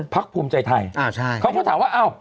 พักภูมิใจไทยเขาก็ถามว่าอ้าว